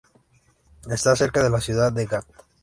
Está cerca de la ciudad de Ghat.